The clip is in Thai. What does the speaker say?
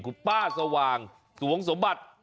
คุณป้าสว่างสวงสมบัติ